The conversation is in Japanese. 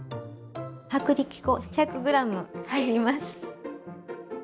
薄力粉１００ｇ入ります。